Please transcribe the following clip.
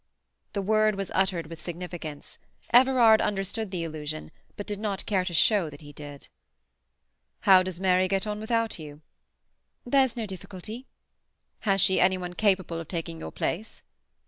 The word was uttered with significance. Everard understood the allusion, but did not care to show that he did. "How does Mary get on without you?" "There's no difficulty." "Has she any one capable of taking your place?"